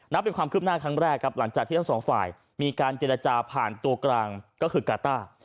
เป็นความคืบหน้าครั้งแรกครับหลังจากที่ทั้งสองฝ่ายมีการเจรจาผ่านตัวกลางก็คือกาต้า